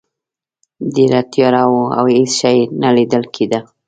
ډیره تیاره وه او هیڅ شی نه لیدل کیده.